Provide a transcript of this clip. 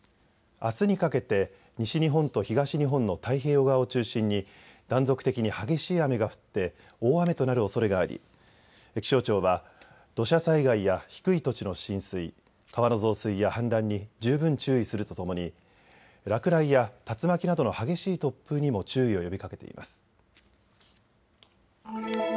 あすにかけて西日本と東日本の太平洋側を中心に断続的に激しい雨が降って大雨となるおそれがあり気象庁は土砂災害や低い土地の浸水、川の増水や氾濫に十分注意するとともに落雷や竜巻などの激しい突風にも注意を呼びかけています。